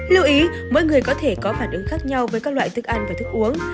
lưu ý mỗi người có thể có phản ứng khác nhau với các loại thức ăn và thức uống